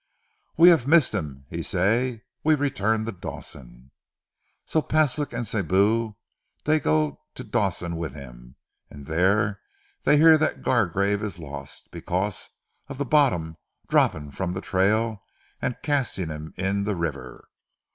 "'We hav' missed him,' he say. 'We return to Dawson.' "So Paslik an' Sibou, dey go to Dawson with him, an' dere dey hear that Gargrave is lost, because of ze bottom dropping from ze trail an' casting him in ze river.